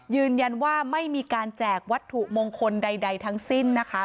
ยืนยันว่าไม่มีการแจกวัตถุมงคลใดทั้งสิ้นนะคะ